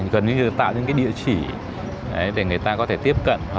gần như tạo những địa chỉ để người ta có thể tiếp cận